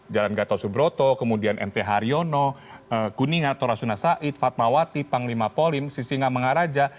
jalan gatot subroto kemudian mt haryono kuningat torasuna said fatmawati panglima polim sisinga mengaraja